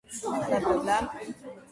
იანუსმა პროექტი დახურა.